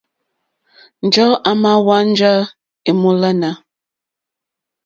Njɔ̀ɔ́ àmà hwánjá èmólánà.